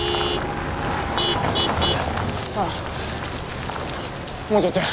ほらもうちょっとや。